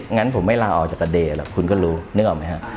งั้นผมไม่ลาออกจากประเด็นแหละคุณก็รู้นึกออกไหมครับ